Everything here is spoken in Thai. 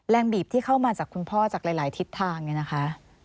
บีบที่เข้ามาจากคุณพ่อจากหลายทิศทางเนี่ยนะคะ